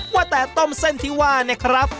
ว่าแต่ต้มเส้นที่ว่าเนี่ยครับ